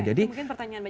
jadi kuncinya adalah